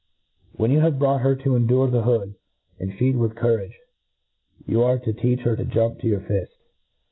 When you have brought her 'to endure the hood, arid feed with courage, you are to teach her to jump to your fift.